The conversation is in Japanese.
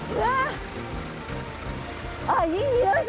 あっいい匂いだ。